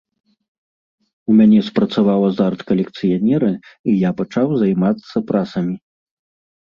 У мяне спрацаваў азарт калекцыянера, і я пачаў займацца прасамі.